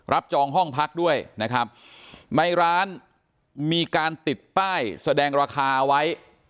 จองห้องพักด้วยนะครับในร้านมีการติดป้ายแสดงราคาไว้